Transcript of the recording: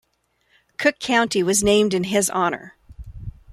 Cook County was named in his honor.